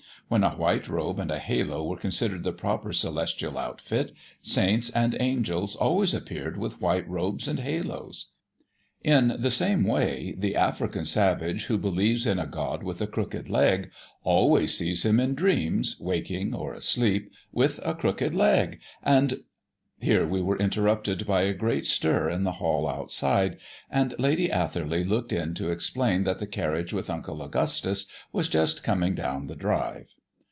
When a white robe and a halo were considered the proper celestial outfit, saints and angels always appeared with white robes and halos. In the same way, the African savage, who believes in a god with a crooked leg, always sees him in dreams, waking or asleep, with a crooked leg; and " Here we were interrupted by a great stir in the hall outside, and Lady Atherley looked in to explain that the carriage with Uncle Augustus was just coming down the drive.